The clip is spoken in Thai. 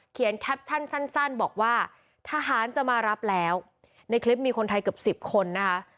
แคปชั่นสั้นบอกว่าทหารจะมารับแล้วในคลิปมีคนไทยเกือบสิบคนนะคะ